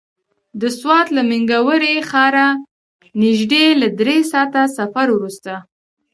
د سوات له مينګورې ښاره نژدې له دری ساعته سفر وروسته.